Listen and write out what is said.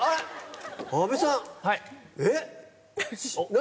何？